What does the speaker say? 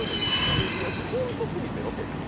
コントすぎて、ロケが。